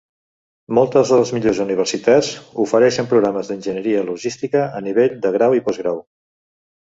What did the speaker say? Moltes de les millors universitats ofereixen programes d'Enginyeria logística a nivell de grau i postgrau.